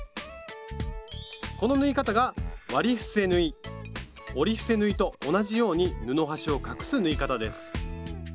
この縫い方が折り伏せ縫いと同じように布端を隠す縫い方です。